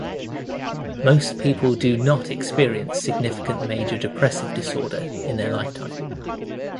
Most people do not experience significant major depressive disorder in their lifetime.